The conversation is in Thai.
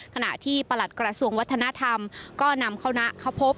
ขณะที่ประหลัดกระทรวงวัฒนธรรมก็นำคณะเข้าพบ